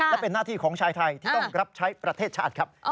และเป็นหน้าที่ของชายไทยที่ต้องรับใช้ประเทศชาติครับ